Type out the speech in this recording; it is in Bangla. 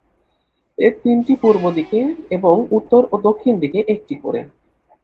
এর তিনটি পূর্বদিকে এবং উত্তর ও দক্ষিণ দিকে একটি করে।